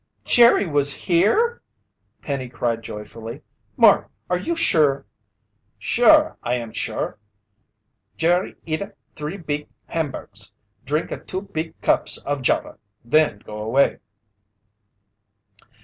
"Jerry was here!" Penny cried joyfully. "Mark, are you sure?" "Sure, I am sure! Jerry eata three beeg hamburgs, drinka two beeg cups of java, then go away."